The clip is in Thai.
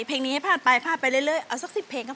เพลงนี้ให้พลาดไปพลาดไปเรื่อยเอาสัก๑๐เพลงก็